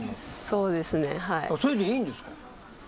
それでいいんですか？